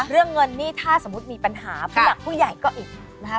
เรื่องเงินนี่ถ้าสมมุติมีปัญหาผู้หลักผู้ใหญ่ก็อีกนะครับ